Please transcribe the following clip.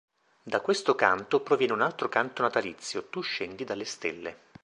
Da questo canto proviene un altro canto natalizio, "Tu scendi dalle stelle".